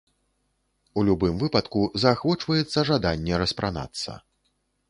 У любым выпадку, заахвочваецца жаданне распранацца.